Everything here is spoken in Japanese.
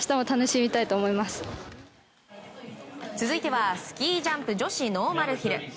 続いてはスキージャンプ女子ノーマルヒル。